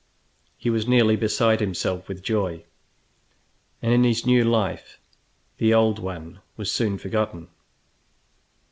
He was nearly beside himself with joy, and in his new life the old one was soon forgotten.